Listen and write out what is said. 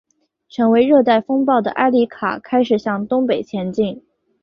成为热带风暴的埃里卡开始向东北前进。